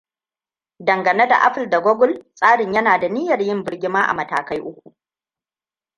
Dangane da Apple da Google, tsarin yana da niyyar yin birgima a matakai uku: